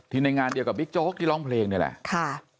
ในงานเดียวกับบิ๊กโจ๊กที่ร้องเพลงนี่แหละค่ะ